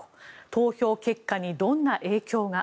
投票結果にどんな影響が？